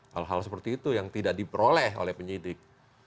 hal hal seperti itu yang tidak diperoleh oleh penyidik